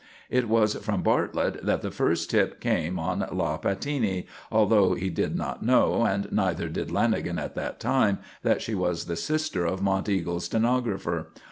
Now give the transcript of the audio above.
It was from Bartlett that the first tip came on La Pattini, although he did not know, and neither did Lanagan at that time, that she was the sister of Monteagle's stenographer.